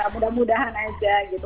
mudah mudahan aja gitu